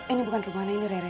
ini bukan kemana ini rere